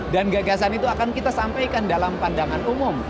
dan gagasan itu akan kita sampaikan dalam pandangan umum